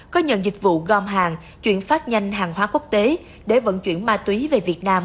có nhận dịch vụ gom hàng chuyển phát nhanh hàng hóa quốc tế để vận chuyển ma túy về việt nam